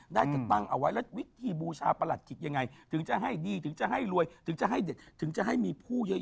ได้แต่ตั้งเอาไว้แล้ววิธีบูชาประหลัดขิตยังไงถึงจะให้ดีถึงจะให้รวยถึงจะให้เด็ดถึงจะให้มีผู้เยอะ